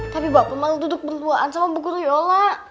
tapi bapak malu duduk berduaan sama bu guru yola